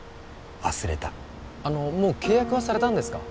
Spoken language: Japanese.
忘れたあのもう契約はされたんですか？